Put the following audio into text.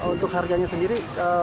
untuk harganya sendiri